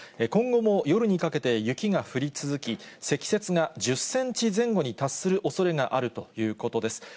今後も夜にかけて雪が降り続き、積雪が１０センチ前後に達するおそれがあるということです。